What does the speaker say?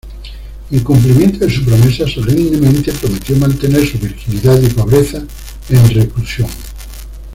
En cumplimiento de su promesa, solemnemente prometió mantener su virginidad y pobreza en reclusión.